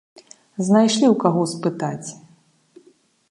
Знайшлі ў каго спытаць!